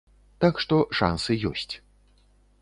Так што шансы ёсць.